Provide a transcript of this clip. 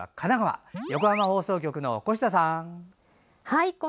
横浜放送局の越田さん。